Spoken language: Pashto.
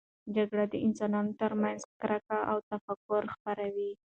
جګړه د انسانانو ترمنځ کرکه او تفرقه خپروي.